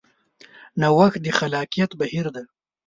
نوښت د خلاقیت بهیر دی.